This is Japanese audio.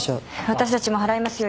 私たちも払いますよ